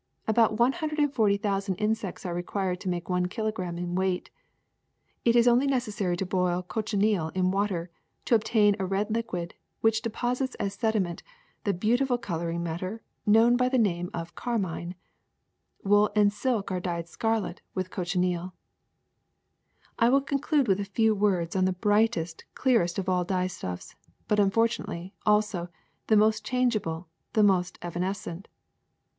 About one hundred and forty thou sand insects are required to make Female cochineal one kilogram in weight. It is only eomS?ce'^'""?Lin1 , 1 •! ii 1 • 1 • shows natural size.) necessary to boil the cochineal m water to obtain a red liquid which deposits as sedi ment the beautiful coloring matter known by the name of carmine. Wool and silk are dyed scarlet with cochineal. ^*I will conclude with a few words on the brightest, clearest of all dyestuffs, but unfortunately, also, the most changeable, the most evanescent.